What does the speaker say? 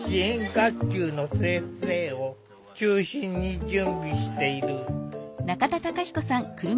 学級の先生を中心に準備している。